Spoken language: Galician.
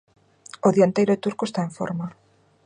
O dianteiro turco está en forma.